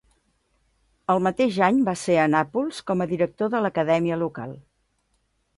El mateix any va ser a Nàpols com a director de l'Acadèmia local.